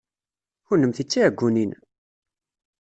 Kennemti d tiɛeggunin!